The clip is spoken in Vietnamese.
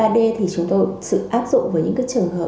ba d thì chúng tôi sự áp dụng với những cái trường hợp